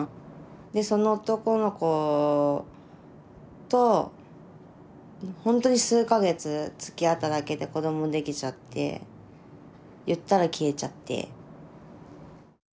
でその男の子とほんとに数か月つきあっただけで子どもできちゃって言ったら消えちゃって。